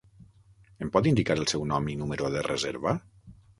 Em pot indicar el seu nom i número de reserva?